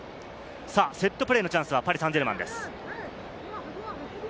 セットプレーのチャンスはパリ・サンジェルマンです。